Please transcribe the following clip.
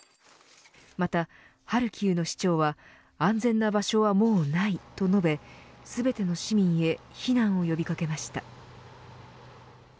また、ハルキウの市長は安全な場所はもうないと述べ全ての市民へ避難を呼び掛けました。